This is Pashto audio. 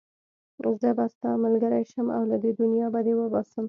زه به ستا ملګری شم او له دې دنيا به دې وباسم.